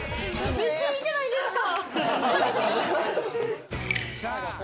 めっちゃいいじゃないですか！